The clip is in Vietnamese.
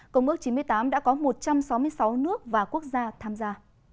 công ước chín mươi tám đã có một trăm sáu mươi sáu nước và quốc gia tham gia